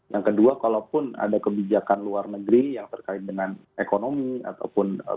dan kedua kalaupun ada kebijakan luar negeri yang terkait dengan ekonomi ataupun bahan